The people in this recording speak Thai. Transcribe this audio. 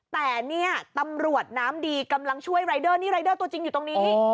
แต่เนี่ยตำรวจน้ำดีกำลังช่วยรายเดอร์นี่รายเดอร์ตัวจริงอยู่ตรงนี้